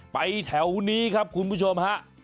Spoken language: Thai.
ไปแถวนี้ครับคุณผู้ชมครับ